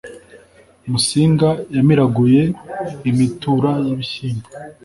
musinga yamiraguye imitura y'ibishyimbo